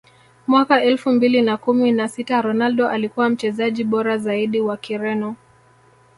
mwaka elfu mbili na kumi na sita Ronaldo alikuwa Mchezaji bora zaidi wa Kireno